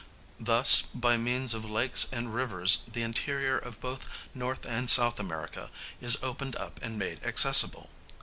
Thus by means of lakes and rivers the interior of both N. and S. America is opened up and made accessible.